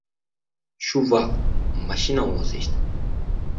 Shu vaqt, mashina ovozi eshitildi.